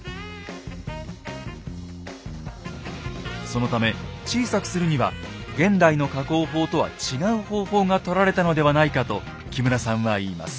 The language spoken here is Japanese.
そのため小さくするには現代の加工法とは違う方法がとられたのではないかと木村さんは言います。